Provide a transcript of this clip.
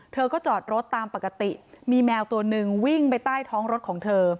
เธอก็จอดรถตามปกติมีแมวตัวหนึ่งวิ่งไปใต้ท้องรถของเธอ